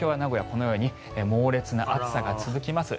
このように猛烈な暑さが続きます。